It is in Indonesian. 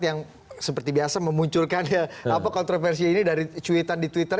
yang seperti biasa memunculkan kontroversi ini dari cuitan di twitter